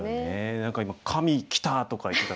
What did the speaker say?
何か今「神キター」とか言ってた。